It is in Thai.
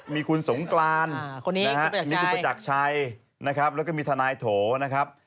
มีคุณสงกรานคนนี้คุณประจักรชัยนะฮะมีคุณประจักรชัยนะครับแล้วก็มีทนายโถนะครับ